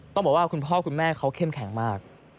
ต้องบอกว่าคุณพ่อคุณแม่เขาเข้มแข็งมาก